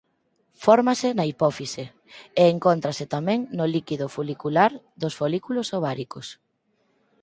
Fórmase na hipófise e encóntrase tamén no líquido folicular dos folículos ováricos.